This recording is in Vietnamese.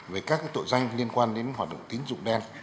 về các tội danh liên quan đến hoạt động tín dụng đen